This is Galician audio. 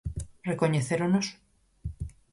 Recoñecéronos?